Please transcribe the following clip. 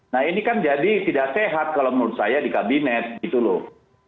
nah ini kan jadi tidak sehat kalau menurut saya di kabinet gitu loh